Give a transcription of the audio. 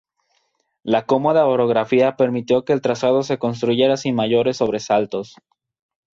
La cómoda orografía permitió que el trazado se construyera sin mayores sobresaltos.